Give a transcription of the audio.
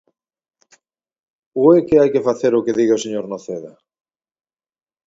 ¿Ou é que hai que facer o que diga o señor Noceda?